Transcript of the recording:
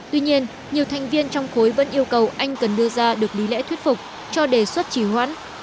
tuy nhiên nhiều thành viên trong khối vẫn yêu cầu anh cần đưa ra được lý lẽ thuyết phục cho đề xuất chỉ hoãn